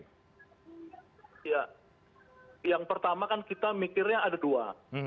ya yang pertama kan kita mikirnya ada dua